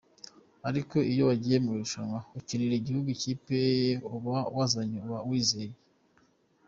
Ariko iyo wagiye mu irushanwa ukinira igihugu, ikipe uba wazanye uba uyizeye.